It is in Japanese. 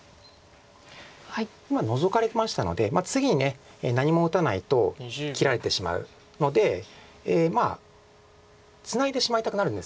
今ノゾかれましたので次に何も打たないと切られてしまうのでツナいでしまいたくなるんです。